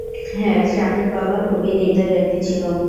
হ্যাঁ, শাহের বাবা খুবই নির্দয় ব্যক্তি ছিল।